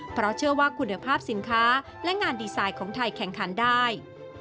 เพราะเชื่อว่าคุณภาพสินค้าและงานดีไซน์ของไทยแข่งขันได้